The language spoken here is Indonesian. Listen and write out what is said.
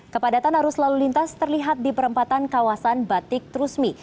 kepadatan arus lalu lintas terlihat di perempatan kawasan batik trusmi